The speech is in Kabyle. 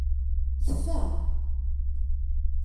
Tfa.